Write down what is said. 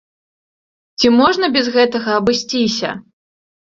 Ці можна без гэтага абысціся?